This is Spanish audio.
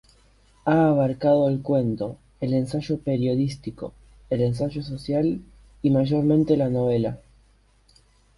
Ha abarcado el cuento, el ensayo periodístico, el ensayo social y —mayormente— la novela.